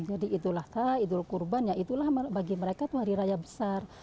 jadi idul adha idul kurban ya itulah bagi mereka itu hari raya besar